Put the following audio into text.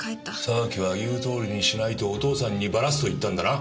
沢木は言うとおりにしないとお父さんにばらすと言ったんだな？